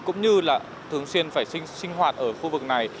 cũng như là thường xuyên phải sinh hoạt ở khu vực này